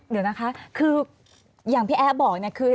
เดี๋ยวนะคะคืออย่างพี่แอ๊บอกเนี่ยคือ